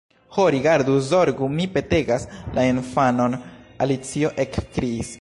"Ho, rigardu, zorgu,—mi petegas—la infanon!" Alicio ekkriis.